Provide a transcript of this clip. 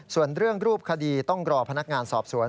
ส่วนเรื่องรูปคดีต้องรอพนักงานสอบสวน